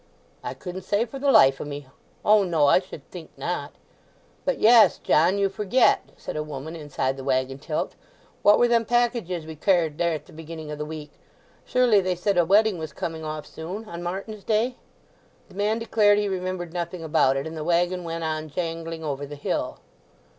"I couldn't say for the life o' me. O no, I should think not." "But yes, John—you forget," said a woman inside the waggon tilt. "What were them packages we carr'd there at the beginning o' the week? Surely they said a wedding was coming off soon—on Martin's Day?" The man declared he remembered nothing about it; and the waggon went on jangling over the hill.